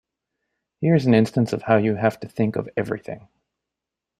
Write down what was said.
Here's an instance of how you have to think of everything.